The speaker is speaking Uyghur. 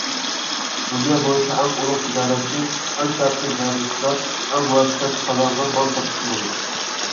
دۇنيا بويىچە ئەڭ ئۇلۇغ تىجارەتچى، ئەڭ كاتتا زەردار، ئەڭ مۇۋەپپەقىيەت قازانغان مال ساتقۇچى بولۇش.